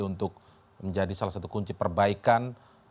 untuk menjadi salah satu kunci perbaikan